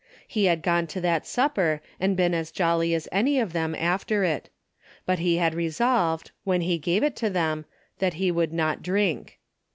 He had gone to that supper and been as jolly as any of them after it. But he had resolved, when he gave it to them, that he would not drink.